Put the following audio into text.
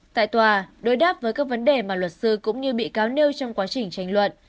tại tòa đối đáp với các vấn đề mà luật sư cũng như bị cáo nêu trong quá trình tranh luận